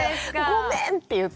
「ごめん！」って言って。